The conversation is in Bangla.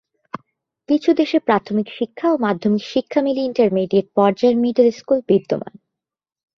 কিছু দেশে প্রাথমিক শিক্ষা ও মাধ্যমিক শিক্ষা মিলে ইন্টারমিডিয়েট পর্যায়ের মিডল স্কুল বিদ্যমান।